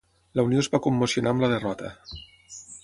La Unió es va commocionar amb la derrota.